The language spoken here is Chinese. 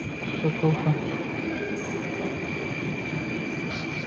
又要赚大钱啰